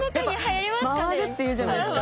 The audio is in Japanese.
やっぱ回るっていうじゃないですか！